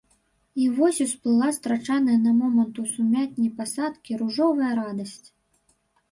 І вось усплыла страчаная на момант у сумятні пасадкі ружовая радасць.